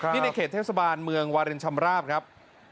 นี่ในเขตเทศบาลเมืองวารินชำราบครับ